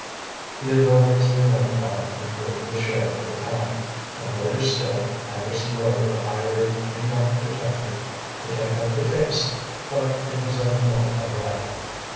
The authorities were notified, including the sheriff of the county, and later still Anderson Rover hired a New York detective to take up the case. But it was of no avail.